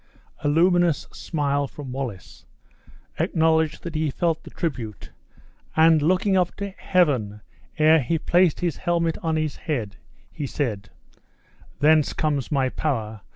A luminous smile from Wallace acknowledged that he felt the tribute and, looking up to Heaven ere he placed his helmet on his head, he said: "Thence comes my power!